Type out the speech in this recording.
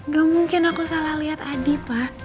gak mungkin aku salah liat adi pak